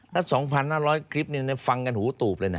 แล้ว๒๕๐๐คลิปฟังกันหูตูบเลยนะ